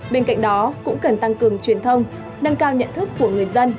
bên cạnh đó cũng cần tăng cường truyền thông nâng cao nhận thức của người dân